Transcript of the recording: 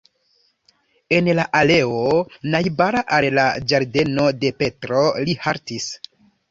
En la aleo, najbara al la ĝardeno de Petro, li haltis.